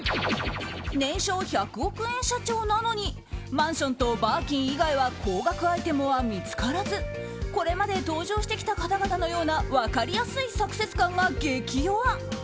年商１００億円社長なのにマンションとバーキン以外は高額アイテムは見つからずこれまで登場してきた方々のような分かりやすいサクセス感が激弱！